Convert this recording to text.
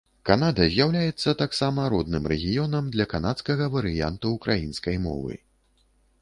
Канада з'яўляецца таксама родным рэгіёнам для канадскага варыянту ўкраінскай мовы.